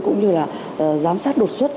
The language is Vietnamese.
cũng như là giám sát đột xuất